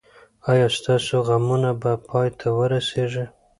ایا ستاسو غمونه به پای ته ورسیږي؟